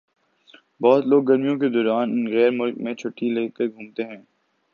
بہت لوگ گرمیوں کے دوران غیر ملک میں چھٹّی لے کر گھومتے ہیں۔